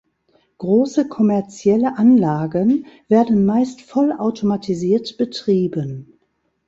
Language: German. Große kommerzielle Anlagen werden meist voll automatisiert betrieben.